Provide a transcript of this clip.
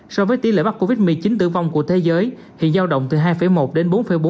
so với tỷ lệ mắc covid một mươi chín tử vong của thế giới hiện giao động từ hai một đến bốn bốn